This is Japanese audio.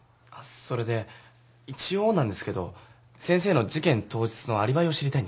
それで一応なんですけど先生の事件当日のアリバイを知りたいんです。